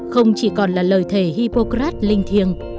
không chỉ còn là lời thề hippocrates linh thiêng